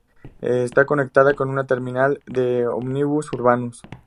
Está conectada con una terminal de ómnibus urbanos.